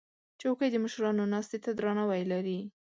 چوکۍ د مشرانو ناستې ته درناوی لري.